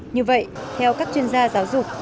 như vậy theo các chuyên gia giáo dục